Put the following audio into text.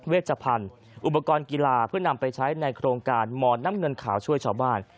ชพันธุ์อุปกรณ์กีฬาเพื่อนำไปใช้ในโครงการหมอนน้ำเงินขาวช่วยชาวบ้าน